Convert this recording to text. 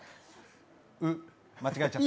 「う」、間違えちゃった。